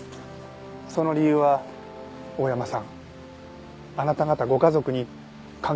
その理由は大山さんあなた方ご家族に関係していたんです。